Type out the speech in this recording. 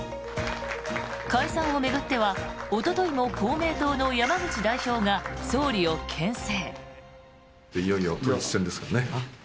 解散を巡ってはおとといも公明党の山口代表が総理をけん制。